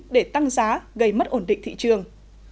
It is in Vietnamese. để tăng giá gây mất ổn định thị trường